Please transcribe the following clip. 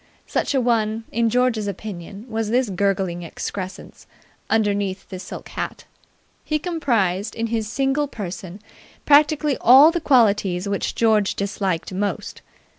Such a one, in George's opinion, was this gurgling excrescence underneath the silk hat. He comprised in his single person practically all the qualities which George disliked most.